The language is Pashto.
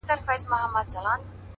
• نه په سرمنزل نه رباتونو پوهېدلی یم ,